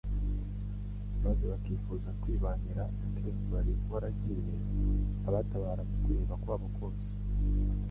maze bakifuza kwibanira na Kristo wari waragiye abatabara mu kwiheba kwabo kose.